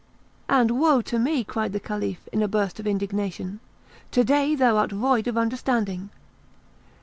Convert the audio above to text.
"And woe to thee!" cried the Caliph, in a burst of indignation; "to day thou art void of understanding.